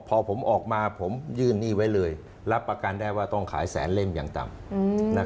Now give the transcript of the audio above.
พอผมออกมาผมยื่นหนี้ไว้เลยรับประกันได้ว่าต้องขายแสนเล่มอย่างต่ำ